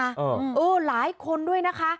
ผมหรือหลายคนด้วยนะคะ